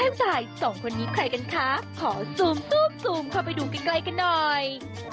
ว้ายซุดสองคนนี้ใครกันคะขอซูมซูบซูมเข้าไปดูใกล้กันหน่อย